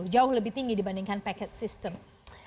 jauh lebih tinggi dibandingkan package systems